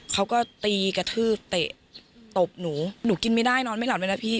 เขาก็ตีกระทืบเตะตบหนูหนูกินไม่ได้นอนไม่หลับเลยนะพี่